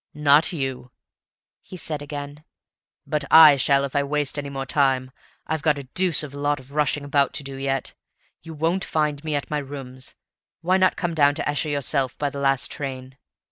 "Not you," he said again, "but I shall if I waste any more time. I've got a deuce of a lot of rushing about to do yet. You won't find me at my rooms. Why not come down to Esher yourself by the last train?